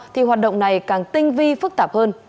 thì hoạt động này càng tinh vi phức tạp hơn